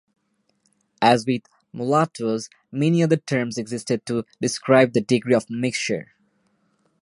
As with Mulattoes, many other terms existed to describe the degree of mixture.